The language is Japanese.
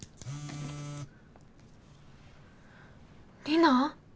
リナ！